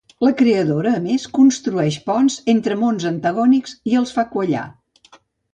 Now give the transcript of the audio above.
La creadora, a més, construeix ponts entre mons antagònics i els fa quallar.